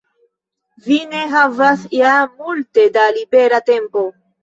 Vi ne havas ja multe da libera tempo.